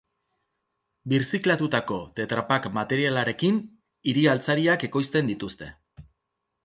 Birziklatutako tetrapack materialarekin hiri-altzariak ekoizten dituzte.